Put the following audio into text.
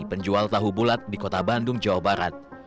penjual tahu bulat di kota bandung jawa barat